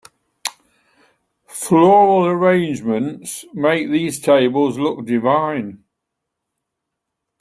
Floral arrangements make these tables look divine.